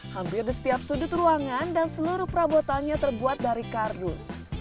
hampir di setiap sudut ruangan dan seluruh perabotannya terbuat dari kardus